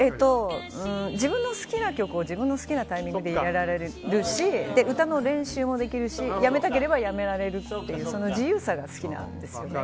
自分の好きな曲を自分のタイミングでいれられるし歌の練習もできるしやめたければやめられるっていう自由さが好きなんですね。